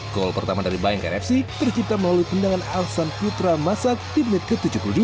gol pertama dari bayangkara fc tercipta melalui tendangan alsan putra masak di menit ke tujuh puluh dua